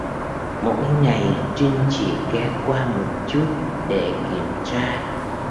Mỗi ngày Trinh chỉ ghé qua một chút để kiểm tra